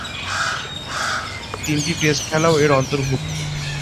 তিনটি টেস্ট খেলাও এর অন্তর্ভুক্ত।